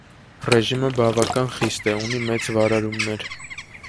Ռեժիմը բավական խիստ է, ունի մեծ վարարումներ։